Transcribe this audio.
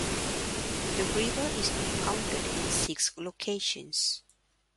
The river is impounded in six locations.